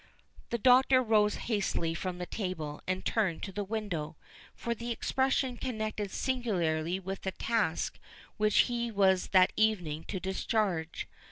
The Doctor rose hastily from the table, and turned to the window; for the expression connected singularly with the task which he was that evening to discharge.